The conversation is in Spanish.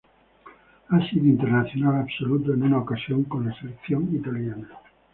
Ha sido internacional absoluto en una ocasión con la selección italiana.